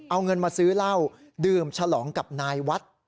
เอาเงินมาซื้อเหล้าดื่มฉลองกับนายวัด